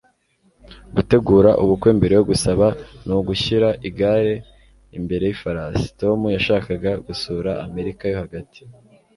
Gutegura ubukwe mbere yo gusaba ni ugushyira igare imbere yifarasi. Tom yashakaga gusura Amerika yo Hagati.